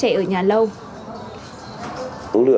trẻ ở nhà lâu